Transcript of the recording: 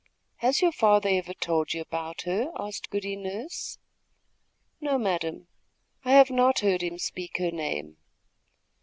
"Has your father ever told you about her?" asked Goody Nurse. "No, madame; I have not heard him speak her name."